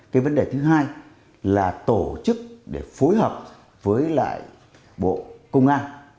cái vấn đề thứ hai là tổ chức để phối hợp với lại bộ công an